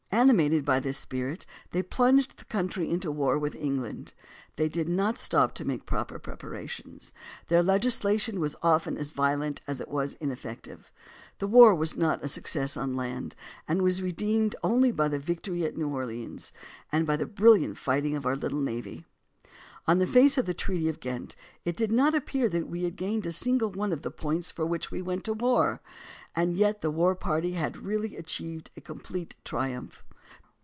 Animated by this spirit, they plunged the country into war with England. They did not stop to make proper preparations ; their legislation was often as violent as it was ineffective; the war was not a success on land, and was redeemed only by the victory at New Orleans and by the brilliant fighting of our little navy. On the face of the Treaty of Ghent it did not appear that we had gained a single one of the points for which we went to war, and yet the war party had really achieved a complete triumph.